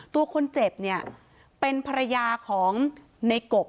ตัวคนเจ็บเนี่ยเป็นภรรยาของในกบ